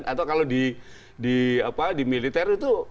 atau kalau di militer itu